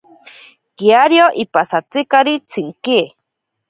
Kiario ipasatzikari tsinke.